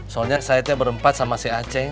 soalnya saatnya berempat sama si aceng